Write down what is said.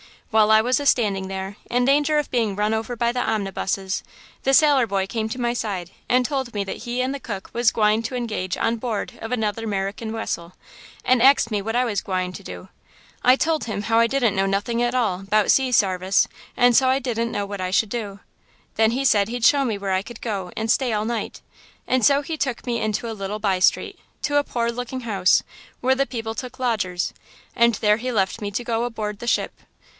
While I was a standing there, in danger of being run over by the omnibuses, the sailor boy came to my side and told me that he and the cook was gwine to engage on board of another 'Merican wessel, and axed me what I was gwine to do. I told him how I didn't know nothing at all 'bout sea sarvice, and so I didn't know what I should do. Then he said he'd show me where I could go and stay all night, and so he took me into a little by street, to a poor looking house, where the people took lodgers, and there he left me to go aboard the ship.